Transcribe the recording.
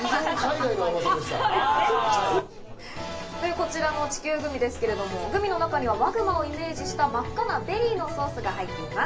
こちらの地球グミですけれどもグミの中にはマグマをイメージした真っ赤なベリーのソースが入っています。